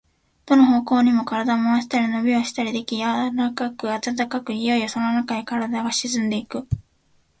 どの方向にも身体を廻したり、のびをしたりでき、柔かく暖かく、いよいよそのなかへ身体が沈んでいく。